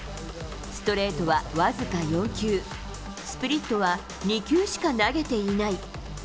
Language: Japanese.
ストレートは僅か４球、スプリットは２球しか投げていない。